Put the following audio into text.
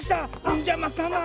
んじゃまたな。